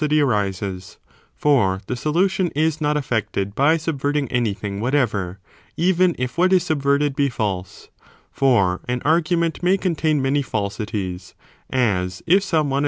529, arises ; for the solution is not effected by subvert the cause to be ing any thing whatever, even if what is subverted 'vestigated. be false. For an argument may contain many falsities, as if some one.